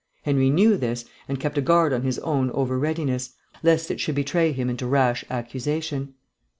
Henry knew this, and kept a guard on his own over readiness, lest it should betray him into rash accusation.